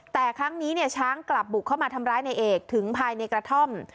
แต่ครั้งนี้เนี่ยช้างกลับบุกเข้ามาทำร้ายในเอกถึงภายในกระท่อม